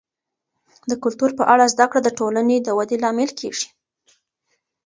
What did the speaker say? د کلتور په اړه زده کړه د ټولنې د ودي لامل کیږي.